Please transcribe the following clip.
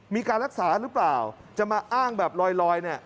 มีการรักษาหรือเปล่าจะมาอ้างแบบลอยเนี่ย